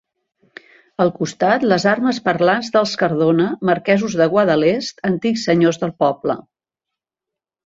Al costat, les armes parlants dels Cardona, marquesos de Guadalest, antics senyors del poble.